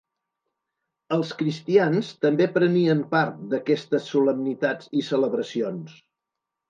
Els cristians també prenien part d'aquestes solemnitats i celebracions.